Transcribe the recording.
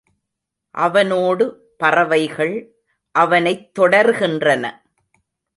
அவனோடு பறவைகள் அவனைத் தொடர்கின்றன.